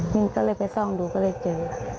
นี่ก็เลยไปส่องดูก็เลยเจอ